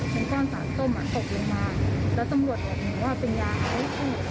มีก้อนสามป้มอ่ะถูกลงมาแล้วทำรวจบอกหนูว่าเป็นยาไง